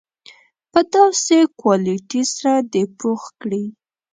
په داسې کوالیټي سره دې پوخ کړي.